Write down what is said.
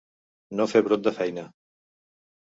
No fer brot de feina.